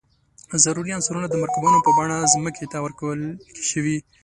ضروري عنصرونه د مرکبونو په بڼه ځمکې ته ورکول شي.